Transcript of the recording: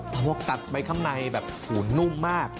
เพราะว่ากัดไปข้างในแบบหูนุ่มมาก